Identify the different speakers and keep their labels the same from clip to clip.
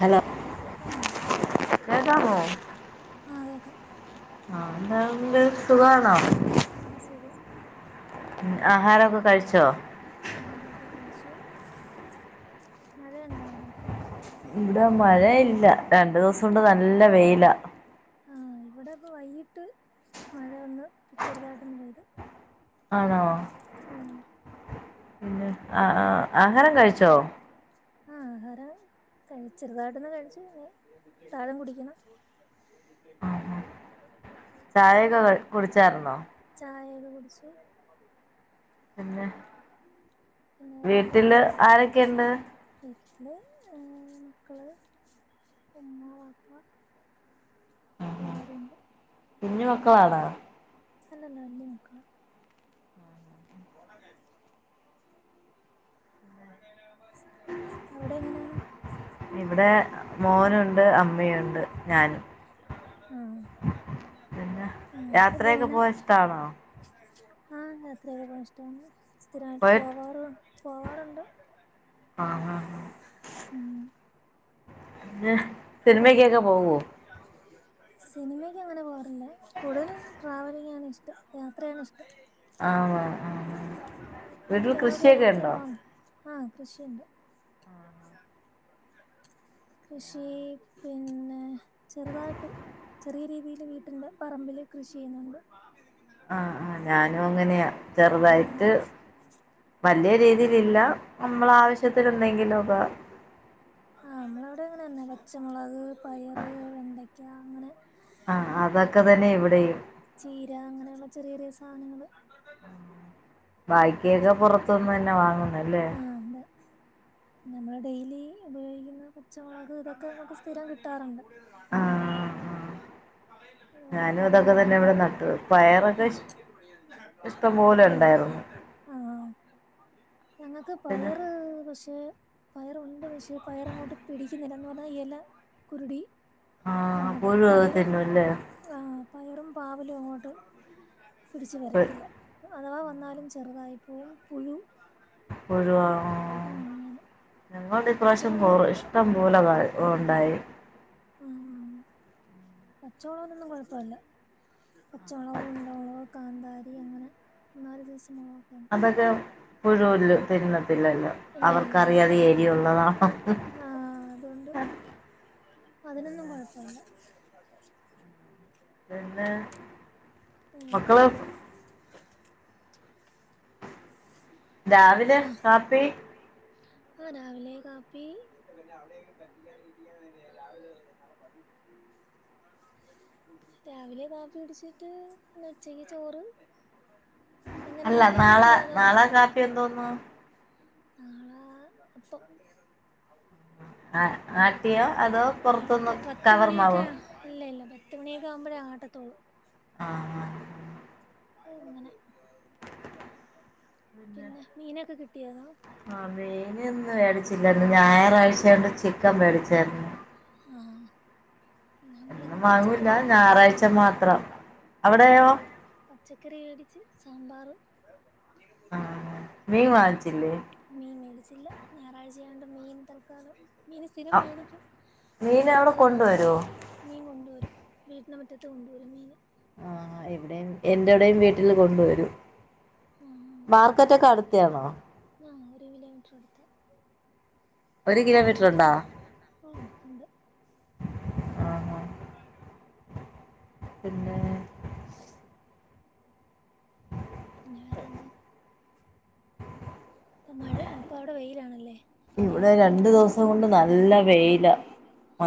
Speaker 1: Hello
Speaker 2: ആ കേക്കാമോ
Speaker 1: കേക്കാമോ
Speaker 2: ആഹ കേക്കാം
Speaker 1: ആഹ എന്താ സുഖമാണേ
Speaker 2: ആ സുഖം
Speaker 1: ആഹാരെക്കെ കഴിച്ചോ
Speaker 2: ആഹാരൊക്കെ കഴിച്ചു മഴയണ്ടോ അവിടെ
Speaker 1: ഇവിടെ മഴയില്ല രണ്ടു ദിവസം കൊണ്ട് നല്ല വെയില
Speaker 2: ആ ഇവിടെ ഇപ്പൾ വൈകിട്ട് മഴ വന്ന് ചെറുതായിട്ടൊന്ന് പെയ്ത്
Speaker 1: ആണോ
Speaker 2: ഉം
Speaker 1: പിന്നെ അആ ആഹാരം കഴിച്ചോ
Speaker 2: ആ ആഹാരം കഴിച്ചെറുതായിട്ടന്ന് കഴിച്ചു പിന്നെ താഴം കുടിക്കണം
Speaker 1: ചായയൊക്കെ കുടിച്ചായിരുന്നോ
Speaker 2: ചായ കുടിച്ചു
Speaker 1: പിന്നെ
Speaker 2: പിന്നെ വേറെന്താ
Speaker 1: വീട്ടില് ആരൊക്കെണ്ട്
Speaker 2: വീട്ടില് മക്കള് ഉമ്മ പാപ്പ എല്ലാരുംണ്ട്
Speaker 1: പിഞ്ഞുമൊക്കെ വാണാ
Speaker 2: അല്ലല്ലവല്ല്യ മക്കളാ പോട കാര്യ അവിടെ എങ്ങനെയാ
Speaker 1: ഇവിടെ മോനുണ്ട് അമ്മയുണ്ട് ഞാനും
Speaker 2: ആ
Speaker 1: പിന്നെ യാത്രയൊക്കെ പോവാൻ ഇഷ്ടാണോ
Speaker 2: ആ യാത്രയെക്കെ പോവാൻ ഇഷ്ടമാണ് സ്ഥിരമായിട്ട്
Speaker 1: പോയി
Speaker 2: പോവറ് പോവാറുണ്ട്
Speaker 1: അ അ ആ
Speaker 2: ഉം
Speaker 1: സിനിമ കേക്ക പോകോ
Speaker 2: സിനിമക്ക് അങ്ങനെ പോവാറില്ല കൂടുതൽ ട്രാവലിങ്ങ് ആണ് ഇഷ്ടം യാത്രയാണ് ഇഷ്ടം
Speaker 1: ആ ആ വീട്ടിൽ കൃഷിയൊക്കെ ഉണ്ടോ
Speaker 2: ആ കൃഷിയുണ്ട് കൃഷി പിന്നെ ചെറുതായിട്ട് ചെറിയ രീതിയില് വീട്ടിന്റെ പറമ്പില് കൃഷി ചെയ്യുന്നുണ്ട്
Speaker 1: ആഹ ആ ഞാനും അങ്ങനെയാ ചെറുതായിട്ട്
Speaker 2: ആഹ്
Speaker 1: വലിയ്യ രീതി ല്ല നമ്മള ആവശ്യത്തി എന്തെങ്കിലും
Speaker 2: ആഹ നമ്മളവിടെ അങ്ങനെ തന്നെ പച്ചമുളക് പയറ് വെണ്ടയ്ക്ക അങ്ങനെ
Speaker 1: ആഹ് അതൊക്കെ തന്നെ ഇവിടെയും
Speaker 2: ചീര അങ്ങനെയുള്ള ചെറിയ ചെറിയ സാധനങ്ങള്ൾ
Speaker 1: ബാക്കിയൊക്കെ പെറത്തുന്ന് തന്നെ വാങ്ങുന്നല്ലേ
Speaker 2: നമ്മള് ഡെയിലി ഉപയോഗിക്കുന്ന പച്ചമുളക് ഇതൊക്കെ നമുക്ക് സ്ഥിരം കിട്ടാറുണ്ട്
Speaker 1: ആഹ്
Speaker 2: ിക്കന്ന
Speaker 1: ഞാനും അതൊക്കെ തന്നെ ഇവിടെ നട്ടത് പയറൊക്കെ ഇഷ്ടംപോലെ ഇണ്ടായിരുന്നു
Speaker 2: ങ്ങക്ക് പയറ് പക്ഷേ പയറുണ്ട് പക്ഷേ പയർ അങ്ങോട്ട് പിടിക്കുന്നില്ലന്ന് പറഞ്ഞാൽ ഇല കുരുടി
Speaker 1: ആഹ്
Speaker 2: അന്ന്
Speaker 1: പുഴുവൊക്കെ
Speaker 2: പയറും
Speaker 1: തിന്നുല്ലേ
Speaker 2: ആഹ പയറും പാവലും അങ്ങോട്ട് തിരിച്ചു വരത്തില്ല അഥവാ വന്നാലും ചെറുതായിപ്പോവും പുഴു
Speaker 1: ഒഴിവാണോ?
Speaker 2: ഉം
Speaker 1: ഞങ്ങളോടെ ഇപ്രാശ്യം കുറ ഇഷ്ടംപോലെ വ് ഉണ്ടായി.
Speaker 2: ആഹ ആഹ പച്ച മൊളന്നൊന്നും കൊഴപ്പല്ല. പച്ചമൊളകും ഉണ്ടമൊളകും കാന്താരി അങ്ങനെ. ന്നാരു
Speaker 1: അതൊക്കെ പുഴുല്ലോ തിന്നത്തില്ലല്ലോ അവർക്കറിയാത് എരി ഉള്ളതാണെ
Speaker 2: ആ അതോണ്ട് അതിനൊന്നും കൊഴപ്പല്ല.
Speaker 1: പിന്നെ മക്കള്
Speaker 2: ആരാ?
Speaker 1: രാവിലെ കാപ്പി
Speaker 2: ആഹ രാവിലെ കാപ്പി. രാവിലെ കാപ്പി പിടിച്ചിട്ട് ന്നെ ഉച്ചക്ക് ചോറ്. ഇന്നങ്ങനെ
Speaker 1: അല്ല
Speaker 2: മീനൊക്കെ
Speaker 1: നാളെ
Speaker 2: കിട്ടിയോതോ
Speaker 1: നാളെ കാപ്പി എന്തോന്നു?
Speaker 2: നാളെ അപ്പം.
Speaker 1: ആ ആട്ടിയോ അതോ
Speaker 2: ആട്ട്
Speaker 1: പൊറുത്തുന്ന്
Speaker 2: പത്ത് മണിയൊക്കെ
Speaker 1: കവർമാവോ?
Speaker 2: ഇല്ല ഇല്ല പത്ത് മണിയൊക്കാകുമ്പഴേ ആട്ടെത്തൊള്ളൂ.
Speaker 1: ആഹ ആഹ
Speaker 2: ങ്ങനെ പിന്നെ മീനൊക്കെ കിട്ടിയോ താ?
Speaker 1: ആ വെ നൊന്ന് മേടിച്ചില്ലാരുന്നു. ഞായറാഴ്ച്ചാണ്ട് ചിക്കൻ മേടിച്ചായിരുന്നു.
Speaker 2: ആഹ് ഞങ്ങളിന്ന്
Speaker 1: എന്നും
Speaker 2: പച്ചക്കറി
Speaker 1: വാങ്ങൂല്ല
Speaker 2: മേടിച്ചു
Speaker 1: ഞായറാഴ്ച
Speaker 2: സാമ്പാർ.
Speaker 1: മാത്രം
Speaker 2: ആ
Speaker 1: അവിടെയോ
Speaker 2: പച്ച ചക്കറി മേടിച്ച് സാമ്പാറ്.
Speaker 1: ആഹ്
Speaker 2: ഉ
Speaker 1: മീൻ വാങ്ങിച്ചില്ലേ
Speaker 2: മീമേ ടിച്ചില്ല ഞായറാഴ്ചയായോണ്ട് മീൻ തൽക്കാലം മീൻ സ്ഥിരം മേടിക്കും
Speaker 1: മീൻ അവിടെ
Speaker 2: ഞായറാഴ്ചയാ
Speaker 1: കൊണ്ടുവരുവോ
Speaker 2: മീൻ കൊണ്ടുവരും വീട്ടിനമുറ്റത്ത് കൊണ്ടുവരും മീൻ.
Speaker 1: ആ എവിടെയും എൻറെവടെയും വീട്ടില് കൊണ്ടുവരും.
Speaker 2: ആ ആ
Speaker 1: മാർക്കറ്റൊക്കെ അടുത്താണോ
Speaker 2: ആ ഒരു കിലോമീറ്റർ അടുത്ത.
Speaker 1: ഒരു കിലോമീറ്റ റുണ്ടോ?
Speaker 2: ആ ഉണ്ട്
Speaker 1: ആ
Speaker 2: [inaudible]
Speaker 1: പിന്നെ?
Speaker 2: വേറെന്താ? അപ്പ മഴ ഇപ്പവ്ടെ വെയിലാണല്ലേ? പകൽ
Speaker 1: ഇവിടെ
Speaker 2: ഇന്ന്
Speaker 1: രണ്ടു
Speaker 2: രണ്ട്
Speaker 1: ദിവസം കൊണ്ട് നല്ല വെയ്ല.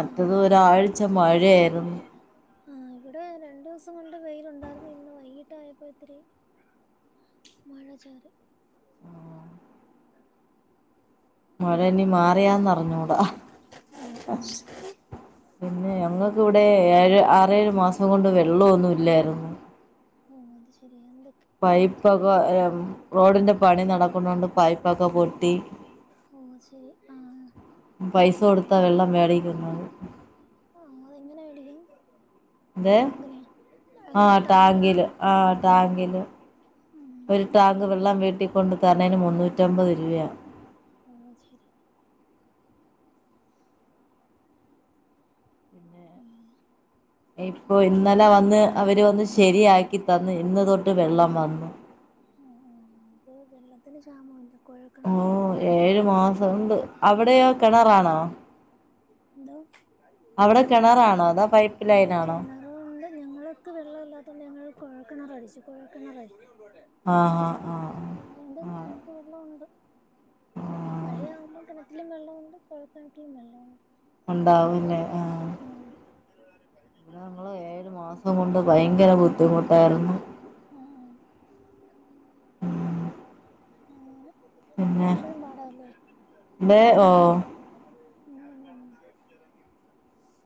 Speaker 2: ആ ആ
Speaker 1: ഒരാഴ്ച മഴയായിരുന്നു.
Speaker 2: ആഹ ഇവിടെ രണ്ടൂസം കൊണ്ട് വെയിലുണ്ടായിരുന്നു ഇന്ന് വൈകിട്ടായപ്പഇത്തിരി മഴചാറി.
Speaker 1: മഴഞ്ഞ് മാറിയാന്നറിഞ്ഞൂടാ.
Speaker 2: ഉം, ഉം.
Speaker 1: പിന്നെ ഞങ്ങൾക്ക് വിടെ ഏഴ് ആറേഴ് മാസം കൊണ്ട് വെള്ളൊന്നുല്ലായിരുന്നു.
Speaker 2: ഓ അത് ശരിയാ എന്ത് കിണറ്റിൽ
Speaker 1: പൈപ്പൊക്കെ
Speaker 2: വെള്ളം
Speaker 1: റോഡിന്റെ പണി നടക്കുന്നൊണ്ട് പൈപ്പൊക്കെ പൊട്ടി
Speaker 2: ഓ ശരി.. ആ
Speaker 1: പൈസ കൊടുത്താ വെള്ളം മേടിക്കുന്നത്.
Speaker 2: എങ്ങനെ മേടിക്കും
Speaker 1: എന്തേ
Speaker 2: ടാങ്കിനെയാ
Speaker 1: ആ
Speaker 2: അങ്ങനെ ടാങ്കിനെ
Speaker 1: ടാങ്കില് ആ ടാങ്കില്
Speaker 2: ഉം,
Speaker 1: ഒരു
Speaker 2: അല്ല
Speaker 1: ടാങ്ക് വെള്ളം വീട്ടിക്കൊണ്ട് തരണെന് മുന്നൂറ്റമ്പത് രൂ ഇല്ല്യ
Speaker 2: മ ശ്
Speaker 1: പിന്നെ
Speaker 2: ഉം
Speaker 1: ഇപ്പൊ ഇന്നലെ വന്ന് അവര് വന്ന് ശരിയാക്കി തന്ന് ഇന്ന് തൊട്ട് വെള്ളം വന്നു
Speaker 2: ഉം ഉം അതെ ക്ഷാമൊണ്ടോ
Speaker 1: ഓ ഏഴു മാസംണ്ട് അവിടെയോ കെണറാണോ
Speaker 2: എന്തോ
Speaker 1: കിണറാണോ അതോ പൈപ്പ്
Speaker 2: ഇവിടെ
Speaker 1: ലൈനാണോ
Speaker 2: കെണറുണ്ട് ഞങ്ങളക്കെ വെള്ളം ഇല്ലാത്ത കൊണ്ട് ഞങ്ങള് കൊഴൽ കേണറ് അടിച്ച് കൊഴൽ കെണറ്
Speaker 1: ആ ആ ആ ആ
Speaker 2: മഴയാകുമ്പം കെണറ്റിലും വെള്ളം ഒണ്ട് കൊഴൽക്കിണറ്റി ലും വെള്ളം ഒണ്ട്
Speaker 1: ഉണ്ടാവുംല്ലേ ആഹ്
Speaker 2: ഉം
Speaker 1: ഞങ്ങള് ഏഴു മാസം കൊണ്ട് ഭയങ്കര ബുദ്ധിമുട്ടാരുന്നു
Speaker 2: ആ ആ
Speaker 1: ഉം
Speaker 2: അങ്ങനെ
Speaker 1: പിന്നെ
Speaker 2: മഴയാകുമ്പോഴും പാടാല്ലേ
Speaker 1: തെ ഓ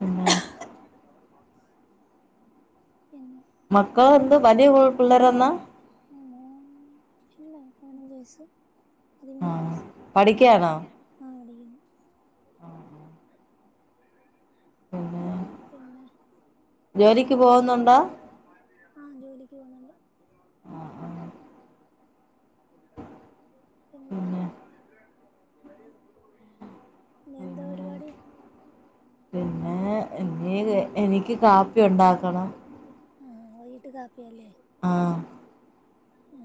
Speaker 1: പിന്നെ മക്കള് എന്ത് വലിയ പിള്ളേരെന്നാ
Speaker 2: മൂന്നു വയസ്സ്
Speaker 1: ആ
Speaker 2: പതിമൂന്ന് വയസ്സ്
Speaker 1: പഠിക്ക്യാണോ
Speaker 2: ആ [unintelligible]
Speaker 1: പിന്നെ
Speaker 2: പിന്നെ
Speaker 1: ജോലിക്ക്
Speaker 2: അവിടെ
Speaker 1: പോകുന്നുണ്ടോ
Speaker 2: ആ ജോലിക്ക് പോകു ന്നുണ്ട്
Speaker 1: ആ ആ പിന്നെ
Speaker 2: [unintelligible] ഇനി എന്താ
Speaker 1: പിന്നെ
Speaker 2: പരുപാടി
Speaker 1: പിന്നെ ഇനി എനിക്ക് കാപ്പി ഉണ്ടാക്കണം
Speaker 2: ആ വയ്കിട്ട് കാപ്പി അല്ലേ
Speaker 1: ആ
Speaker 2: ഉ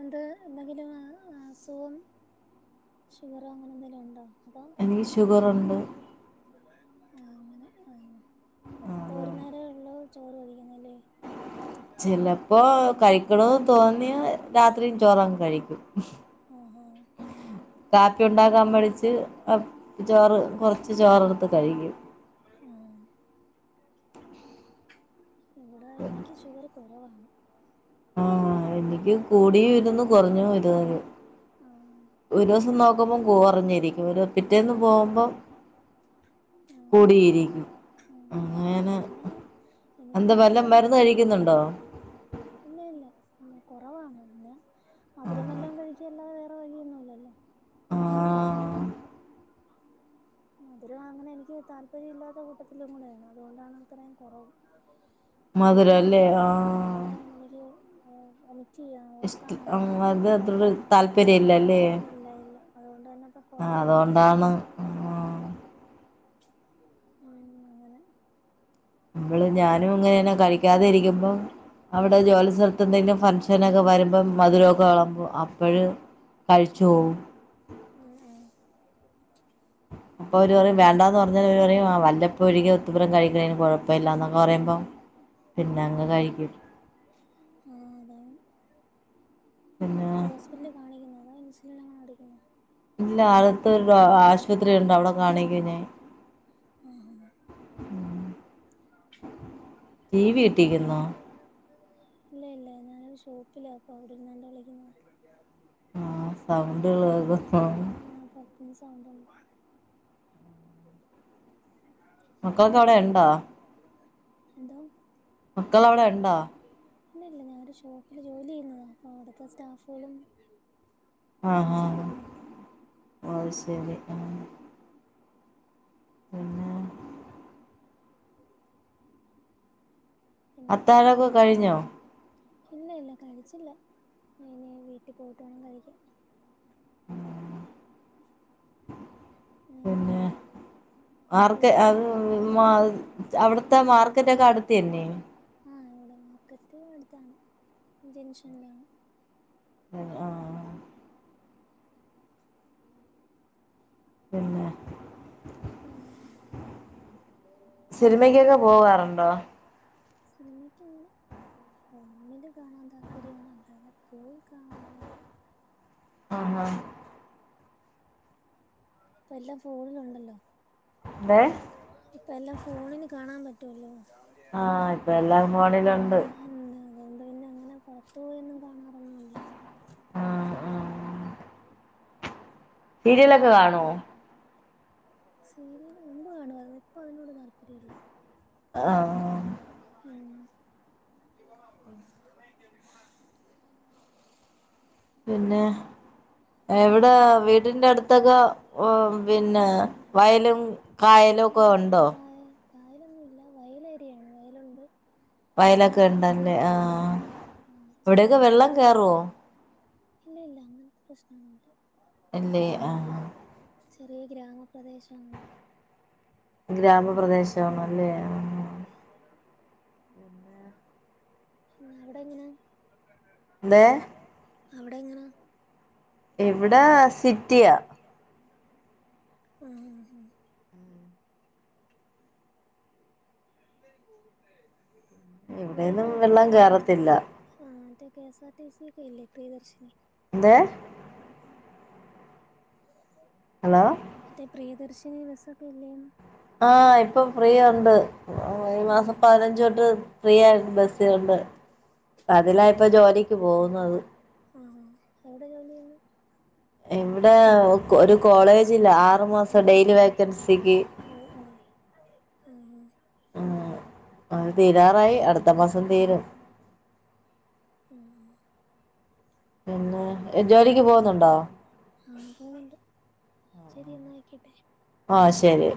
Speaker 2: അന്ത്‌ എന്തെങ്കിലും അ അസുഖം ഷുഗറോ അങ്ങനെ എന്തെലും ഉണ്ടോ അതോ
Speaker 1: എനിക്ക് ഷുഗറൊണ്ട്
Speaker 2: ആ അങ്ങനെ ആ അപ്പൊ
Speaker 1: അതെ
Speaker 2: ഒരു നേരെ ഒള്ളു [unintelligible]
Speaker 1: ചിലപ്പോ കഴിക്കണോന്ന് തോന്നിയാ രാത്രി ചോറങ്ങ് കഴിക്കും
Speaker 2: ആ ആ
Speaker 1: കാപ്പി ഒണ്ടാക്കാൻ മടിച്ച് ചോറ് കൊറച്ച് ചോറെടുത്ത് കഴിക്കും
Speaker 2: ഓ ഇവിടെ എനിക്ക് ഷുഗറ് കുറവാണ്
Speaker 1: ആ എനിക്ക് കൂടിയും ഇരുന്ന് കൊറഞ്ഞും [unintelligible]
Speaker 2: ആ
Speaker 1: ഒരു ദിവസം നോക്കുമ്പം കൊറഞ്ഞിരിക്കും ഒരു പിറ്റേന്ന് പോകുമ്പം
Speaker 2: ആ
Speaker 1: കൂടിയിരിക്കും
Speaker 2: ആ
Speaker 1: അങ്ങനെ
Speaker 2: ഞാൻ എനിക്ക്
Speaker 1: എന്താ വല്ല
Speaker 2: പൊതുവേ
Speaker 1: മരുന്ന് കഴിക്കുന്നുണ്ടോ
Speaker 2: ഇല്ല ഇല്ല മധുരമെല്ലാം കഴിച്ചു [unintelligible]
Speaker 1: ആ
Speaker 2: മധുരം അങ്ങനെ എനിക്ക് താല്പര്യം ഇല്ലാത്ത കൂട്ടത്തിലും കൂടെയാണ് അതുകൊണ്ടാണ് അത്രയും കുറവ് അവരെല്ലാം
Speaker 1: മധുരല്ലേ ആഹ്
Speaker 2: മധുരം ഒരു
Speaker 1: ഇഷ്ടി അതും അത്രേം ഒരു താൽ താല്പര്യം ഇല്ലല്ലേ
Speaker 2: ഇല്ല ഇല്ല അതുകൊണ്ട് തന്നെ ഇപ്പം
Speaker 1: ആഹ്
Speaker 2: കുറവാണ്
Speaker 1: അതുകൊണ്ടാണ്
Speaker 2: ങ്ങ [inaudible]
Speaker 1: നമ്മള് ഞാനും ഇങ്ങനെന്നെ കഴിക്കാതെ ഇരിക്കുമ്പോ അവിടെ ജോലി സ്ഥലത്ത് എന്തെങ്കിലും ഫംഗ്ഷനൊക്കെ വരുമ്പോ മധുരമൊക്കെ വിളമ്പും അപ്പോഴും കഴിച്ചോവും
Speaker 2: ഉം ഉം
Speaker 1: അപ്പൊ അവര് പറയും വേണ്ടാന്ന് പറഞ്ഞാല് വല്ലപ്പോഴും ഒരു ഇത്തിരി പോലം കഴിക്കണത് കുഴപ്പമില്ല ഇല്ലാന്നൊ പറയുമ്പോം പിന്നെ അങ്ങ് കഴിക്കും
Speaker 2: ആ അതാണ്
Speaker 1: പിന്നെ
Speaker 2: എന്താ ഹോസ്പിറ്റലിൽ കാണിക്കുന്നത് അതാ ഇൻസുലിൻ ആണം എടുക്കുന്ന
Speaker 1: ഇല്ല അത് ആശുപത്രിയുണ്ട് അവിടെ കാണിക്കും ഞാൻ
Speaker 2: അ [unintelligible]
Speaker 1: ടി വി ഇട്ടേക്കുന്നോ
Speaker 2: ഇല്ല ഇല്ല ഞാനൊരു ഷോപ്പിലാ അപ്പ അവിടെ ഇരുന്ന് വിളിക്കുന്നത്
Speaker 1: ആ സൗണ്ട് ഏതെയാ
Speaker 2: ആ പുറത്തുനിന്ന് സൗണ്ട്
Speaker 1: മക്കളക്കെ അവിടെ ഉണ്ടാ
Speaker 2: എന്തോ
Speaker 1: മക്കൾ അവിടെ ഉണ്ടാ
Speaker 2: ഇല്ലല്ല ഞാനൊരു ഷോപ്പില് ജോലി ചെയ്യുന്നത്താണ് അപ്പോൾ അവിടുത്തെ സ്റ്റാഫുകളും ഒക്കെ
Speaker 1: ആഹ് ഹാ
Speaker 2: സംസാരിക്കുന്നു
Speaker 1: ഓ അത് ശരി ആ പിന്നെ
Speaker 2: [inaudible]
Speaker 1: അത്താഴം ഒക്കെ കഴിഞ്ഞോ
Speaker 2: ഇല്ല ഇല്ല കഴിച്ചില്ല ഇനിയിനി വീട്ടിൽ പോയിട്ട് വേണം കഴിക്കാൻ
Speaker 1: ഉം
Speaker 2: ഉ
Speaker 1: പിന്നെ
Speaker 2: ഉ [inaudible]
Speaker 1: മാർക്ക അവിടുത്തെ മാർക്കറ്റ് ഒക്കെ അടുത്ത് തന്നെ
Speaker 2: ആ ഇവിടെ മാർക്കറ്റ് അടുത്താണ് ജൻഷനിലാണ്
Speaker 1: ആഹ് ആ പിന്നെ
Speaker 2: പിന്ന
Speaker 1: സിനിമക്കൊക്കെ പോവാറുണ്ടോ
Speaker 2: സിനമക്ക് ഇല്ലാ ഫോണില് കാണാൻ താല്പര്യമാണ് അല്ലാതെ പോയി കാണാനട്ട
Speaker 1: ആഹ് ആഹ
Speaker 2: ഇപ്പ എല്ലാം ഫോണിലുണ്ടല്ലോ
Speaker 1: ന്തേ
Speaker 2: ഇപ്പ എല്ലാം ഫോണിന് കാണാൻ പറ്റും
Speaker 1: ആഹ ഇപ്പ എല്ലാ ഫോണിലുണ്ട്
Speaker 2: അതുകൊണ്ട് എന്താ അതുകൊണ്ട് പിന്നെ അങ്ങനെ പുറത്തു പോയയൊന്നും കാണാറൊന്നുമില്ല
Speaker 1: ആഹ് ഉം സീരിയൽ കൈ കാണോ
Speaker 2: സീരിയൽ മുമ്പ് കാണും ഇപ്പൊ അതിനോട് താല്പര്യം ഇല്ല
Speaker 1: ആഹ്
Speaker 2: [inaudible]
Speaker 1: പിന്നെ എവിടെ വീട്ടിലെ വീടിന്റെ അടുത്തൊക്കെ പിന്നെ വയലും കായലും ഒക്കെ
Speaker 2: ഉം
Speaker 1: ഉണ്ടോ
Speaker 2: കായ കായലൊന്നുമില്ല വയലേരിയാണ് വയലുണ്ട്
Speaker 1: വയലൊക്കെ ഇണ്ടല്ലേ
Speaker 2: വയലുണ്ട്
Speaker 1: ആഹ്
Speaker 2: ഉം ചെറിയ
Speaker 1: എവിടെയൊക്കെ
Speaker 2: ഗ്രാമ
Speaker 1: വെള്ളം കേയറുവോ
Speaker 2: ഇല്ല ഇല്ല അങ്ങനത്തെ പ്രശ്നം ഒന്നും ഇല്ല
Speaker 1: ലേ
Speaker 2: ചെറിയ ഗ്രാമപ്രദേശ
Speaker 1: ഗ്രാമപ്രദേശണ അല്ലേ
Speaker 2: ആ അവിടെ എങ്ങനെ
Speaker 1: ന്തേ
Speaker 2: അവിടെ ഇങ്ങനെ
Speaker 1: എവിടാ സിറ്റിയാ
Speaker 2: മ മ അവിടെയൊക്കെ
Speaker 1: എവിടെന്നും വെള്ളം കേറത്തില്ല
Speaker 2: കേസാക്ക് ഇല്ലക് ദർശന
Speaker 1: എന്തെ ഹലോ
Speaker 2: മറ്റേ പ്രിയദർശിനി ബസൊക്കെ ഇല്ലേ
Speaker 1: ആഹ് ഇപ്പൊ ഫ്രീ ഉണ്ട് ഈ മാസം
Speaker 2: ആഹ്
Speaker 1: പതിനഞ്ച് തൊട്ട് ഫ്രീ ആയി ബസ് ണ്ട് അതിലാ ഇപ്പൊ ജോലിക്ക് പോകുന്നത്
Speaker 2: ആ എവിടെ ജോലി ചെയ്യുന്നത്
Speaker 1: ഇവിടെ ഒരു കോളേജില്ല ആറുമാസം ഡെയിലി വേക്കൻസിക്ക്
Speaker 2: ഓ ഓ ആഹ്
Speaker 1: ഉം അതെ വരാറായി അടുത്ത മാസം തീരും
Speaker 2: ആഹ്
Speaker 1: പിന്നെ ജോലിക്ക് പോകുന്നുണ്ടോ
Speaker 2: ആഹ് പോകുന്നുണ്ട് ശരി എന്ന ആക്കട്ടെ
Speaker 1: ആഹ് ശരി